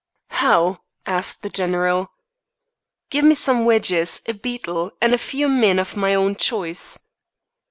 "How?" asked the general. "Give me some wedges, a beetle, and a few men of my own choice."